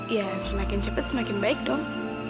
ya semakin cepat semakin baik dong